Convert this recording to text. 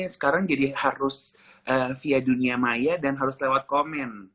sekarang jadi harus via dunia maya dan harus lewat komen